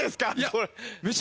これ。